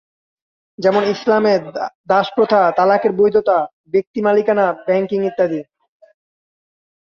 যেমন: ইসলামে দাসপ্রথা, তালাকের বৈধতা, ব্যক্তি মালিকানা, ব্যাংকিং ইত্যাদি।